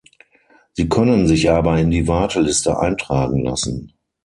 Sie können sich aber in die Warteliste eintragen lassen.